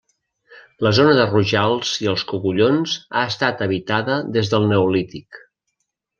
La zona de Rojals i els Cogullons ha estat habitada des del Neolític.